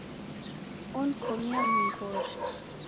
Onikomia mngoro!